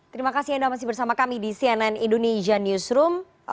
terima kasih anda masih bersama kami di cnn indonesia newsroom